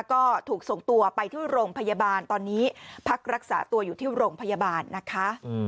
ก็ถูกส่งตัวไปที่โรงพยาบาลตอนนี้พักรักษาตัวอยู่ที่โรงพยาบาลนะคะ